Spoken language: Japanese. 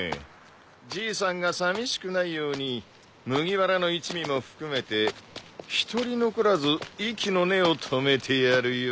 じいさんがさみしくないように麦わらの一味も含めて一人残らず息の根を止めてやるよ。